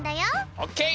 オッケー！